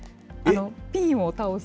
ピンを倒す。